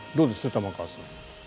玉川さん。